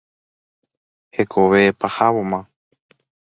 Hekove pahávoma.